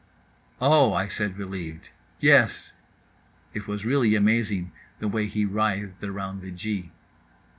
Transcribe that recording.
_" "Oh," I said, relieved, "yes." It was really amazing, the way he writhed around the G.